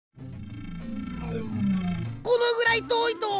このぐらいとおいと。